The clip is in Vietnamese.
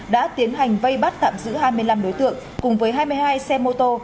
đã tiến hành vây bắt tạm giữ hai mươi năm đối tượng cùng với hai mươi hai xe mô tô